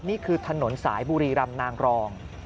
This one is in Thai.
นี่คือถนนสายบุรีรำนางรอง